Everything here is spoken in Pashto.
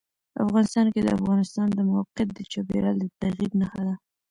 افغانستان کې د افغانستان د موقعیت د چاپېریال د تغیر نښه ده.